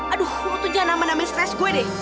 aduh lo tuh jangan nama namain stress gue deh